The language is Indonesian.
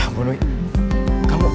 kamu cantik banget